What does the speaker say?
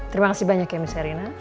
terima kasih banyak ya miss erina